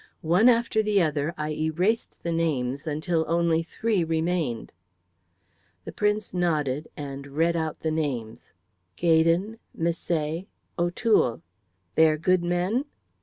One after the other I erased the names until only three remained." The Prince nodded and read out the names. "Gaydon, Misset, O'Toole. They are good men?"